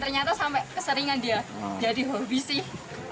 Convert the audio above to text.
ternyata sampai keseringan dia jadi hobi sih